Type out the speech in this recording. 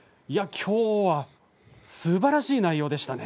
きょうはすばらしい内容でしたね。